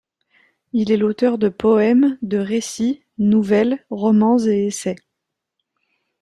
Il est l’auteur de poèmes, de récits, nouvelles, romans et essais.